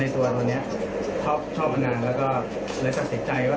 ในตัวตัวนี้ชอบมานานแล้วก็เลยสักสิทธิ์ใจว่า